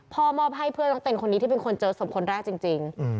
มอบให้เพื่อนต้องเป็นคนนี้ที่เป็นคนเจอศพคนแรกจริง